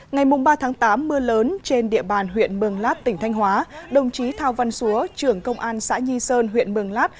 ngày ba tám mưa lớn trên địa bàn huyện mường lát tỉnh thanh hóa đồng chí thao văn xúa trưởng công an xã nhi sơn huyện mường lát